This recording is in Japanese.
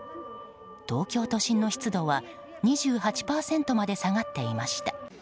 東京都心の湿度は２８％まで下がっていました。